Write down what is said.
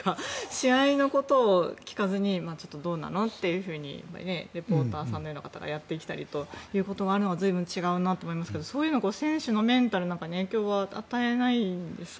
試合のことを聞かずにちょっとどうなの？というふうにリポーターのような方がやってきたりということがあったりというのが随分、違うなと思いますけどそういうのは選手のメンタルなんかに影響は与えないんですか？